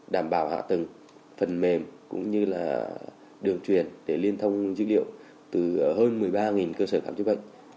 đảm bảo hạ tầng phần mềm cũng như là đường truyền để liên thông dữ liệu từ hơn một mươi ba cơ sở khám chữa bệnh